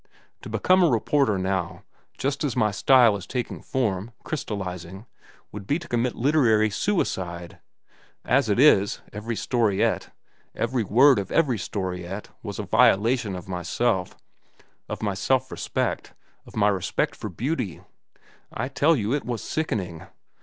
To become a reporter now, just as my style is taking form, crystallizing, would be to commit literary suicide. As it is, every storiette, every word of every storiette, was a violation of myself, of my self respect, of my respect for beauty. I tell you it was sickening.